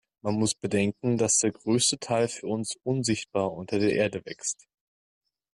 Man muss bedenken, dass der größte Teil für uns unsichtbar unter der Erde wächst.